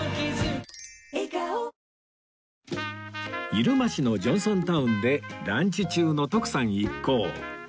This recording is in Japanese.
入間市のジョンソンタウンでランチ中の徳さん一行